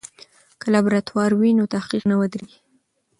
که لابراتوار وي نو تحقیق نه ودریږي.